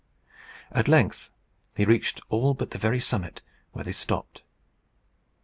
At length they reached all but the very summit, where they stopped.